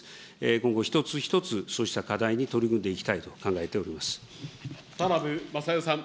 今後、一つ一つそうした課題に取り組んでいきたいと考えておりま田名部匡代さん。